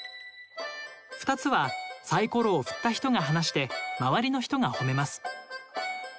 ２つはサイコロを振った人が話して周りの人がほめます。